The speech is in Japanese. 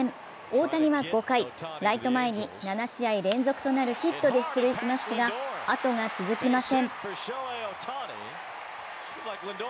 大谷は５回、ライト前に７試合連続となるヒットで出塁しますがあとが続きません。